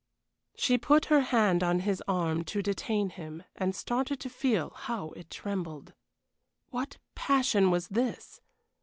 She put her hand on his arm to detain him, and started to feel how it trembled. What passion was this?